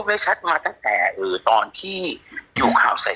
น้ำตามันไหลออกมาอยู่เรื่อย